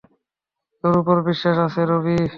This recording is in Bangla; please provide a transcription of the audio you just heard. তোর উপর বিশ্বাস আছে, রবি।